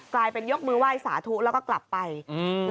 กลายเป็นยกมือไหว้สาธุแล้วก็กลับไปอืม